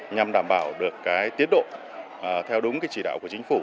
nhằm đảm bảo được tiến độ theo đúng chỉ đạo của chính phủ